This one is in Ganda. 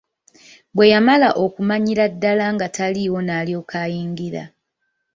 Bwe yamala okumanyira ddala nga taliiwo n'alyoka ayingira.